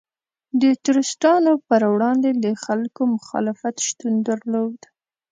د ټرستانو پر وړاندې د خلکو مخالفت شتون درلود.